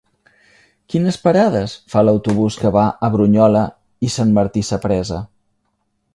Quines parades fa l'autobús que va a Brunyola i Sant Martí Sapresa?